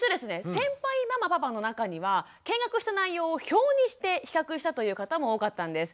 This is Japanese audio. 先輩ママパパの中には見学した内容を表にして比較したという方も多かったんです。